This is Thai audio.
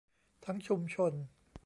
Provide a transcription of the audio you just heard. ทั้งชุมชน